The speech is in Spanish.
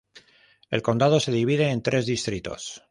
El condado se divide en tres distritos:.